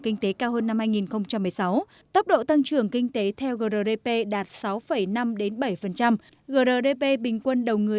kinh tế cao hơn năm hai nghìn một mươi sáu tốc độ tăng trưởng kinh tế theo grdp đạt sáu năm bảy grdp bình quân đầu người